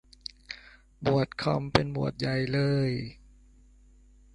หมวดคอมเป็นหมวดใหญ่เลย !